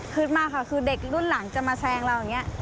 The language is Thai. มากค่ะคือเด็กรุ่นหลังจะมาแซงเราอย่างนี้